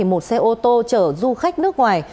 một xe ô tô chở du khách nước ngoài